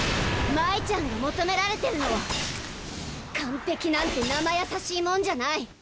真依ちゃんが求められてるのは完璧なんてなまやさしいもんじゃない。